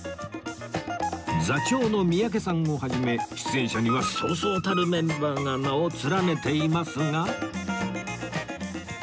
座長の三宅さんを始め出演者にはそうそうたるメンバーが名を連ねていますが